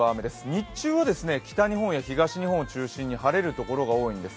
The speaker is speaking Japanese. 日中は北日本や東日本を中心に晴れるところが多いんです。